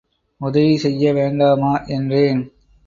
உதவி செய்ய வேண்டாமா? என்றேன்.